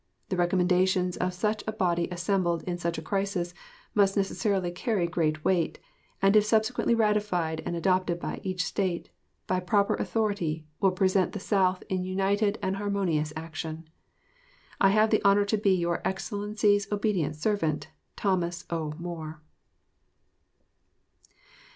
The recommendations of such a body assembled in such a crisis must necessarily carry great weight, and if subsequently ratified and adopted by each State by proper authority, will present the South in united and harmonious action. I have the honor to be your Excellency's ob't serv't THOS. O. MOORE.